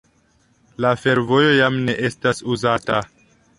La fervojo jam ne estas uzata.